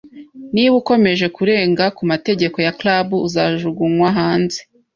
Niba ukomeje kurenga ku mategeko ya club, uzajugunywa hanze